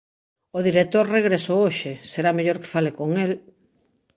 O director regresou hoxe, será mellor que fale con el...